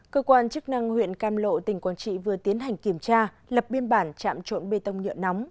cơ quan chức năng huyện cam lộ tỉnh quảng trị vừa tiến hành kiểm tra lập biên bản chạm trộn bê tông nhựa nóng